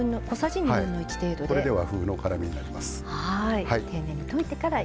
これで和風の辛みになります。